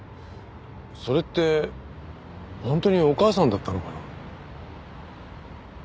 それって本当にお母さんだったのかな？